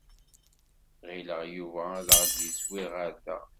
Ɣileɣ Yuba ad aɣ-d-yezwir ɣer da.